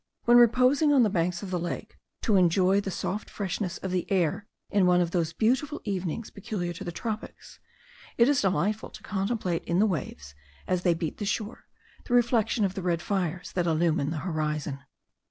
When reposing on the banks of the lake to enjoy the soft freshness of the air in one of those beautiful evenings peculiar to the tropics, it is delightful to contemplate in the waves as they beat the shore, the reflection of the red fires that illumine the horizon.